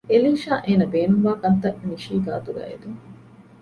އެލީޝާ އޭނަ ބޭނުންވާ ކަންތަށް ނިޝީ ގާތުގައި އެދުން